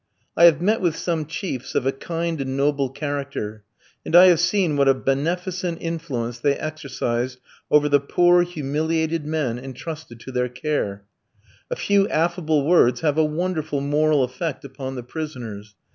I have met with some chiefs of a kind and noble character, and I have seen what a beneficent influence they exercised over the poor, humiliated men entrusted to their care. A few affable words have a wonderful moral effect upon the prisoners.